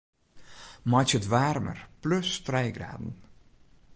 Meitsje it waarmer plus trije graden.